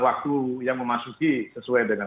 waktu yang memasuki sesuai dengan